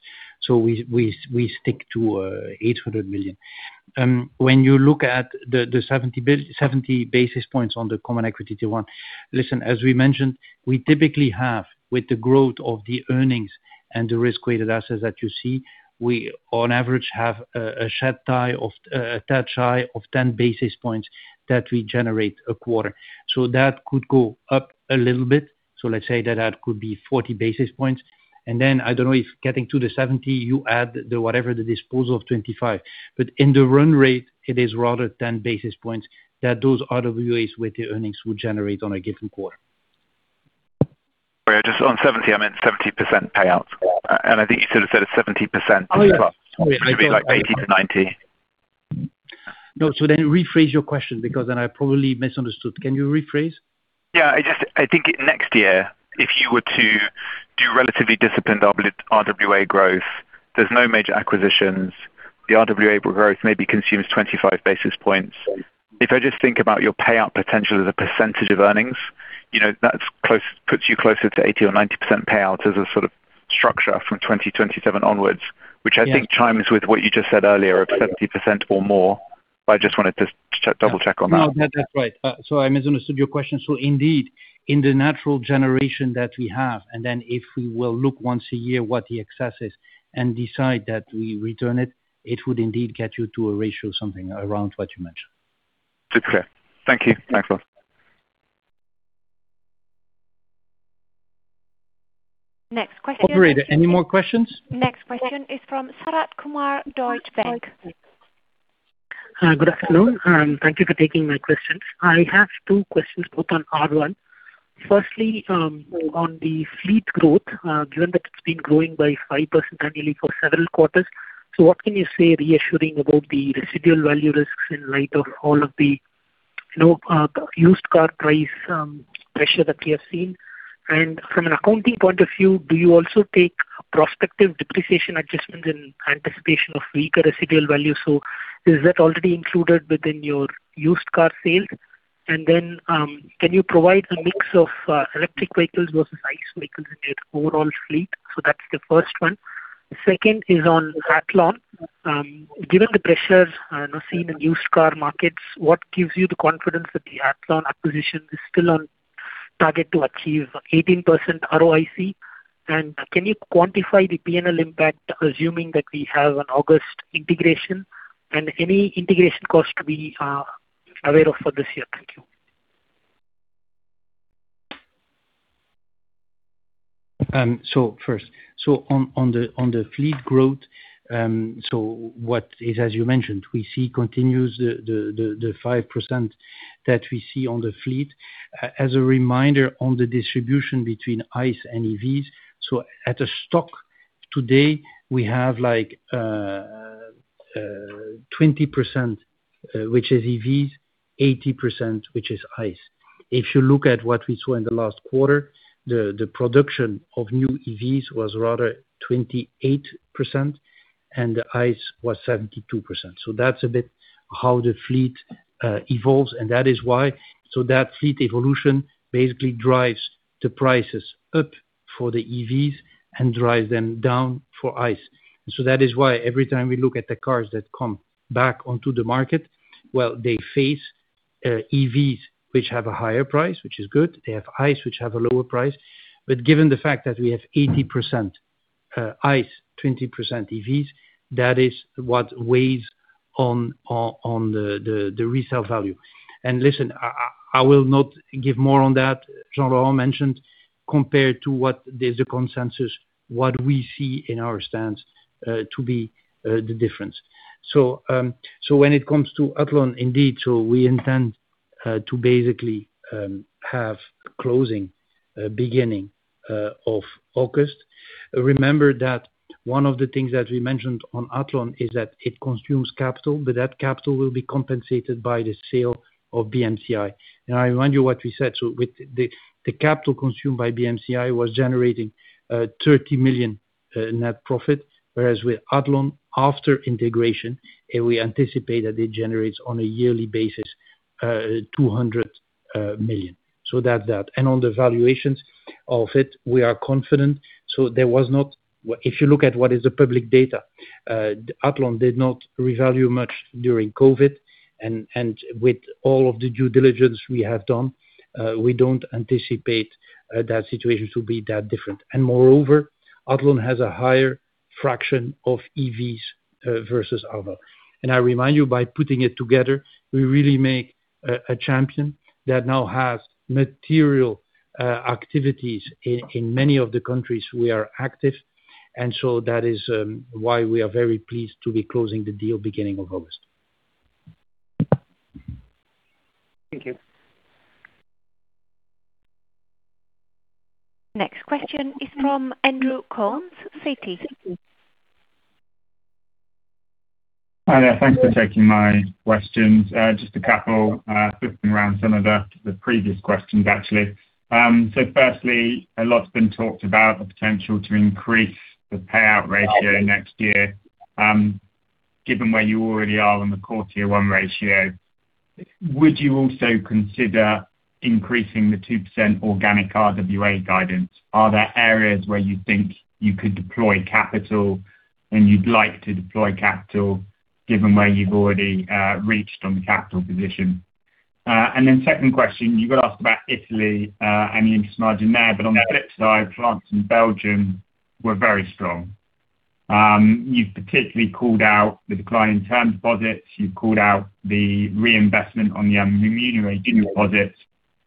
We stick to 800 million. When you look at the 70 basis points on the common equity T1, listen, as we mentioned, we typically have, with the growth of the earnings and the risk-weighted assets that you see, we on average have a touch high of 10 basis points that we generate a quarter. That could go up a little bit. Let's say that that could be 40 basis points, and then I don't know if getting to the 70, you add the whatever the disposal of 25. In the run rate, it is rather 10 basis points that those RWAs with the earnings will generate on a given quarter. Just on 70, I meant 70% payouts. I think you sort of said a 70%- Oh, yeah. Plus. Should be like 80-90. No. Rephrase your question, because then I probably misunderstood. Can you rephrase? Yeah. I think next year, if you were to do relatively disciplined RWA growth, there's no major acquisitions. The RWA growth maybe consumes 25 basis points. If I just think about your payout potential as a percentage of earnings, that puts you closer to 80% or 90% payout as a sort of structure from 2027 onwards, which I think chimes with what you just said earlier, of 70% or more. I just wanted to double-check on that. No, that's right. I misunderstood your question. Indeed, in the natural generation that we have, then if we will look once a year what the excess is and decide that we return it would indeed get you to a ratio, something around what you mentioned. It's clear. Thank you. Thanks a lot. Next question- Operator, any more questions? Next question is from Sharath Kumar, Deutsche Bank. Hi. Good afternoon. Thank you for taking my questions. I have two questions, both on R1. Firstly, on the fleet growth, given that it's been growing by 5% annually for several quarters, what can you say reassuring about the residual value risks in light of all of the used car price pressure that we have seen? From an accounting point of view, do you also take prospective depreciation adjustments in anticipation of weaker residual value? Is that already included within your used car sales? Can you provide a mix of electric vehicles versus ICE vehicles in your overall fleet? That's the first one. Second is on Athlon. Given the pressures now seen in used car markets, what gives you the confidence that the Athlon acquisition is still on target to achieve 18% ROIC? Can you quantify the P&L impact, assuming that we have an August integration, and any integration cost we are aware of for this year? Thank you. First. On the fleet growth, as you mentioned, we see continues the 5% that we see on the fleet. As a reminder, on the distribution between ICE and EVs, at a stock today, we have 20% which is EVs, 80% which is ICE. If you look at what we saw in the last quarter, the production of new EVs was rather 28%, and the ICE was 72%. That's a bit how the fleet evolves, and that is why. That fleet evolution basically drives the prices up for the EVs and drives them down for ICE. That is why every time we look at the cars that come back onto the market, well, they face EVs, which have a higher price, which is good. They have ICE, which have a lower price. Given the fact that we have 80% ICE, 20% EVs, that is what weighs on the resale value. Listen, I will not give more on that. Jean-Laurent mentioned compared to what is the consensus, what we see in our stance to be the difference. When it comes to Athlon, indeed, we intend to basically have closing beginning of August. Remember that one of the things that we mentioned on Athlon is that it consumes capital, but that capital will be compensated by the sale of BMCI. I remind you what we said, with the capital consumed by BMCI was generating 30 million net profit, whereas with Athlon after integration, and we anticipate that it generates on a yearly basis, 200 million. That. On the valuations of it, we are confident. If you look at what is the public data, Athlon did not revalue much during COVID, and with all of the due diligence we have done, we don't anticipate that situation to be that different. Moreover, Athlon has a higher fraction of EVs versus other. I remind you, by putting it together, we really make a champion that now has material activities in many of the countries we are active. That is why we are very pleased to be closing the deal beginning of August. Thank you. Next question is from Andrew Coombs, Citi. Hi there. Thanks for taking my questions. Just a couple, flipping around some of the previous questions, actually. Firstly, a lot's been talked about the potential to increase the payout ratio next year. Given where you already are on the core tier one ratio, would you also consider increasing the 2% organic RWA guidance? Are there areas where you think you could deploy capital and you'd like to deploy capital given where you've already reached on the capital position? Second question, you got asked about Italy, and the interest margin there, but on the flip side, France and Belgium were very strong. You've particularly called out the decline in term deposits. You've called out the reinvestment on the remunerated deposits.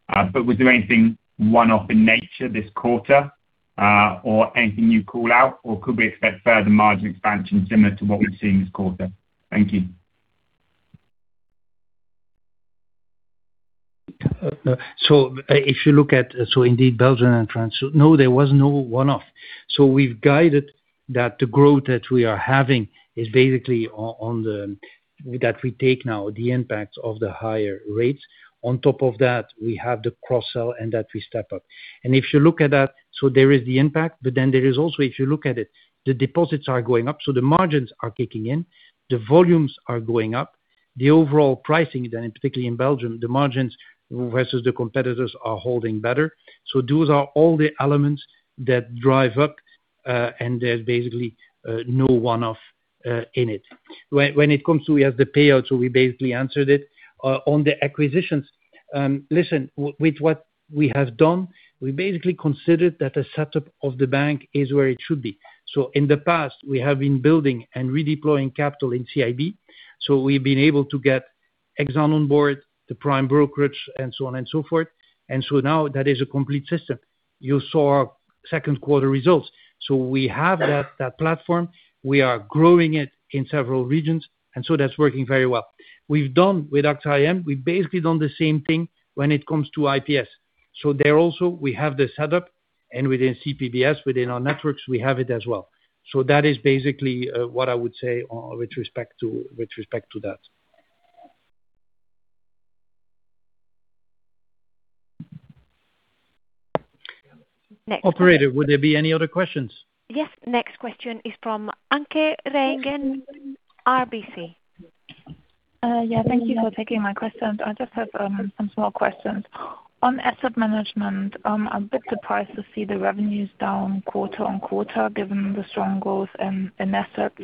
Was there anything one-off in nature this quarter, or anything you call out, or could we expect further margin expansion similar to what we've seen this quarter? Thank you. If you look at, so indeed Belgium and France, no, there was no one-off. We've guided that the growth that we are having is basically that we take now the impact of the higher rates. On top of that, we have the cross-sell and that we step up. If you look at that, so there is the impact, there is also, if you look at it, the deposits are going up, so the margins are kicking in. The volumes are going up. The overall pricing, particularly in Belgium, the margins versus the competitors are holding better. Those are all the elements that drive up, and there's basically no one-off in it. When it comes to, we have the payouts, so we basically answered it. On the acquisitions, listen, with what we have done, we basically considered that the setup of the bank is where it should be. In the past, we have been building and redeploying capital in CIB. We've been able to get Exane on board, the prime brokerage and so on and so forth. Now that is a complete system. You saw second quarter results. We have that platform. We are growing it in several regions, and so that's working very well. We've done with Athlon, we've basically done the same thing when it comes to IPS. There also, we have the setup and within CPBS, within our networks, we have it as well. That is basically what I would say with respect to that. Next. Operator, would there be any other questions? Yes. Next question is from Anke Reingen, RBC. Yeah. Thank you for taking my questions. I just have some small questions. On asset management, I'm a bit surprised to see the revenues down quarter-on-quarter, given the strong growth in assets.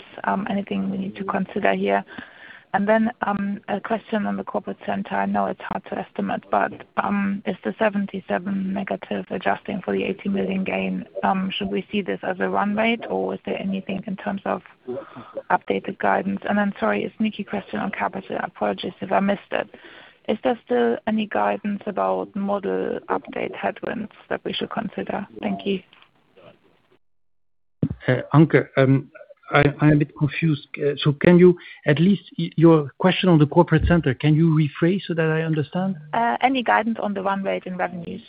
Anything we need to consider here? Then, a question on the corporate center. I know it's hard to estimate, but, is the 77 million negative adjusting for the 80 million gain? Should we see this as a run rate or is there anything in terms of updated guidance? I'm sorry, a sneaky question on capital. I apologize if I missed it. Is there still any guidance about model update headwinds that we should consider? Thank you. Anke, I'm a bit confused. Can you rephrase your question on the corporate center so that I understand? Any guidance on the run rate and revenues?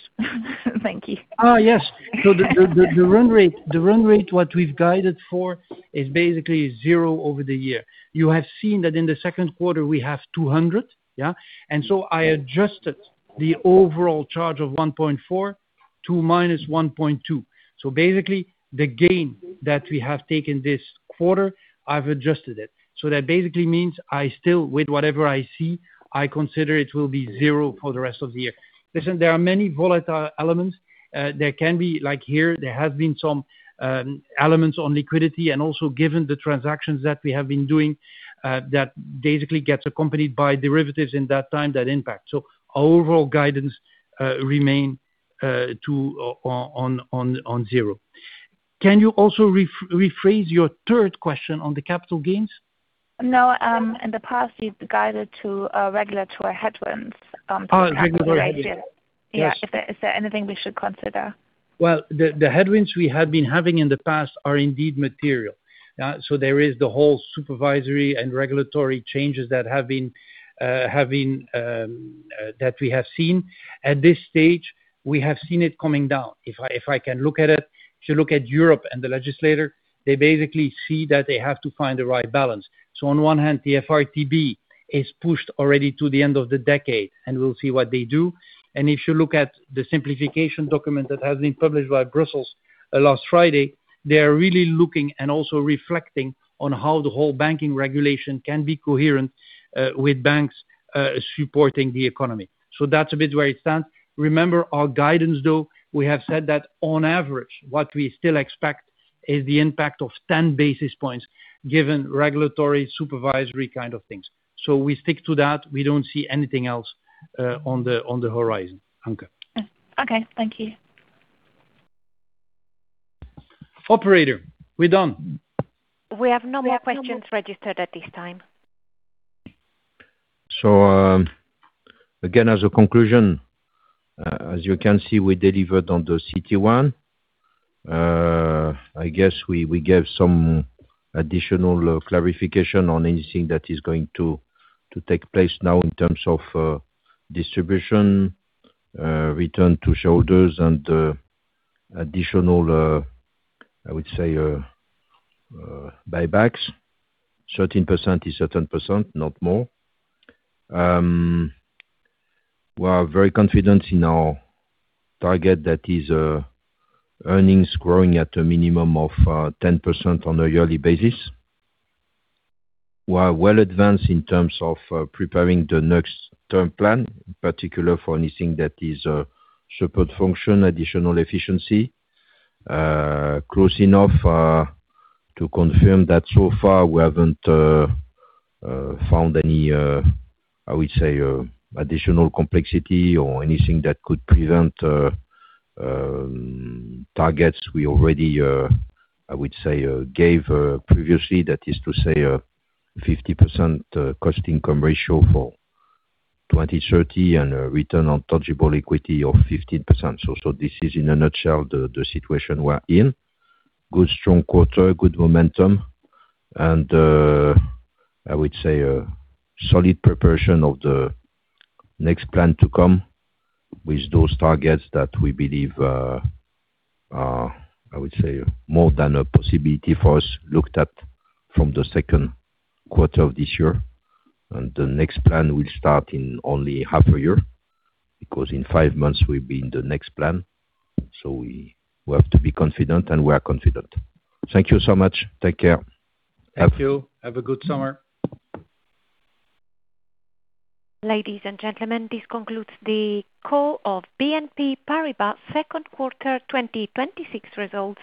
Thank you. Yes. The run rate what we've guided for is basically zero over the year. You have seen that in the second quarter we have 200. I adjusted the overall charge of 1.4 to -1.2. Basically, the gain that we have taken this quarter, I've adjusted it. That basically means I still, with whatever I see, I consider it will be zero for the rest of the year. Listen, there are many volatile elements. There can be, like here, there have been some elements on liquidity, and also given the transactions that we have been doing, that basically gets accompanied by derivatives in that time, that impact. Our overall guidance remain on zero. Can you also rephrase your third question on the capital gains? No, in the past, you've guided to regulatory headwinds- Regulatory headwinds. Yeah. Yes. Is there anything we should consider? The headwinds we have been having in the past are indeed material. There is the whole supervisory and regulatory changes that we have seen. At this stage, we have seen it coming down. If I can look at it, if you look at Europe and the legislator, they basically see that they have to find the right balance. On one hand, the FRTB is pushed already to the end of the decade, we'll see what they do. If you look at the simplification document that has been published by Brussels last Friday, they are really looking and also reflecting on how the whole banking regulation can be coherent, with banks supporting the economy. That's a bit where it stands. Remember our guidance, though. We have said that on average, what we still expect is the impact of 10 basis points given regulatory supervisory kind of things. We stick to that. We don't see anything else on the horizon, Anke. Okay. Thank you. Operator, we are done. We have no more questions registered at this time. Again, as a conclusion, as you can see, we delivered on the CET1. I guess we gave some additional clarification on anything that is going to take place now in terms of distribution, return to shareholders, and additional, I would say, buybacks. 13% is 13%, not more. We are very confident in our target that is earnings growing at a minimum of 10% on a yearly basis. We are well advanced in terms of preparing the next term plan, in particular for anything that is support function, additional efficiency. Close enough to confirm that so far we have not found any, I would say, additional complexity or anything that could prevent targets we already, I would say, gave previously. That is to say, 50% cost-income ratio for 2030 and a return on tangible equity of 15%. This is in a nutshell the situation we are in. Good strong quarter, good momentum, I would say, solid preparation of the next plan to come with those targets that we believe, I would say, more than a possibility for us looked at from the second quarter of this year. The next plan will start in only half a year, because in five months we'll be in the next plan. We have to be confident, and we are confident. Thank you so much. Take care. Thank you. Have a good summer. Ladies and gentlemen, this concludes the call of BNP Paribas second quarter 2026 results.